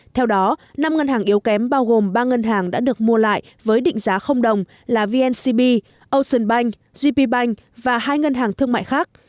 theo đó năm ngân hàng yếu kém bao gồm ba ngân hàng đã được mua lại với định giá đồng là vncb ocean bank gp bank và hai ngân hàng thương mại khác